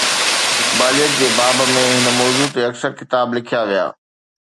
اقباليت جي باب ۾ هن موضوع تي اڪثر ڪتاب لکيا ويا.